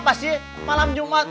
apa sih malam jumat